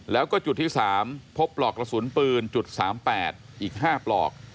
แล้วก็จุดที่๓พบปลอกกระสุนปืน๓๘อีก๕ปลอก